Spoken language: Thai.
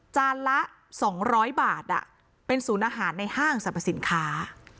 จานละ๒๐๐บาทเป็นศูนย์อาหารในห้างสรรพสินค้า